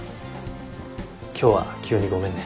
今日は急にごめんね。